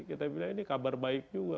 kita bilang ini kabar baik juga